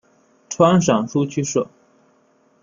川陕苏区设。